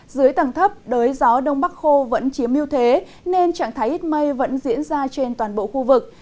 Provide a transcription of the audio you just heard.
dưới tầng thấp đới gió đông bắc khô vẫn chiếm miêu thế nên trạng thái ít mây vẫn diễn ra trên toàn bộ khu vực